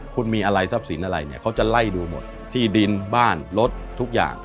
คุณมีอะไรทรัพย์สินอะไรเนี่ยเขาจะไล่ดูหมดที่ดินบ้านรถทุกอย่าง